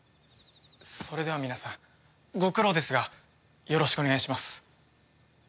それでは皆さんご苦労ですがよろしくお願いします。